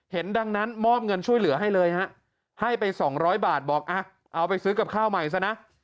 ดังนั้นมอบเงินช่วยเหลือให้เลยฮะให้ไป๒๐๐บาทบอกเอาไปซื้อกับข้าวใหม่ซะนะ